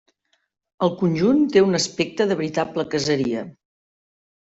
El conjunt té un aspecte de veritable caseria.